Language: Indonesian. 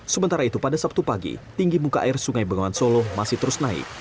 sementara itu pada sabtu pagi tinggi muka air sungai bengawan solo masih terus naik